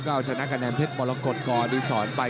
ก็เอาชนะกระแนนเทศมรกฎกรดีสอนไป